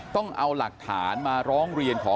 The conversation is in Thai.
ต้องเอาหลักฐานมาร้องเรียนขอ